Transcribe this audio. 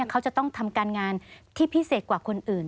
เขาจะต้องทำการงานที่พิเศษกว่าคนอื่น